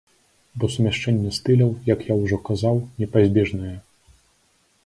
Бо сумяшчэнне стыляў, як я ўжо казаў, непазбежнае.